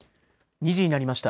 ２時になりました。